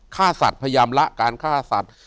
ฆ่าสัตว์พยายามละการฆ่าสัตว์